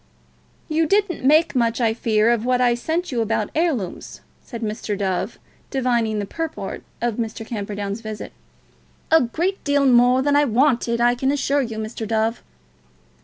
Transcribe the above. "You didn't make much, I fear, of what I sent you about heirlooms," said Mr. Dove, divining the purport of Mr. Camperdown's visit. "A great deal more than I wanted, I can assure you, Mr. Dove."